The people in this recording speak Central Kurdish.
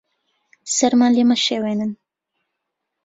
سەرمان لێ مەشێوێنن.